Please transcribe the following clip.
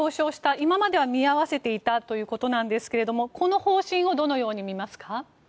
今までは見合わせていたということですがこの方針をどのように見ますか。